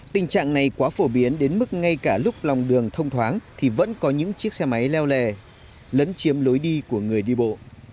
tình trạng này quá phổ biến đến mức ngay cả lúc lòng đường thông thoáng thì vẫn có những chiếc xe máy leo lè lấn chiếm lối đi của người đi bộ